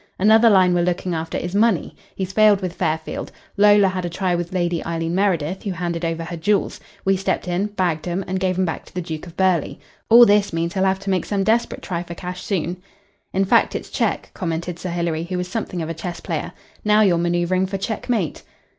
Another line we're looking after is money. He's failed with Fairfield. Lola had a try with Lady Eileen Meredith, who handed over her jewels. We stepped in, bagged 'em, and gave 'em back to the Duke of Burghley. All this means he'll have to make some desperate try for cash soon." "In fact it's check," commented Sir Hilary, who was something of a chess player. "Now you're manœuvring for checkmate."